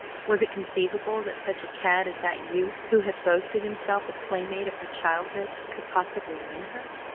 Was it conceivable that such a cad as that youth who had boasted himself a playmate of her childhood could possibly win her?